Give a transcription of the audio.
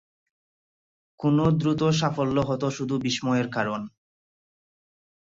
কোন দ্রুত সাফল্য হতো শুধু বিস্ময়ের কারণে।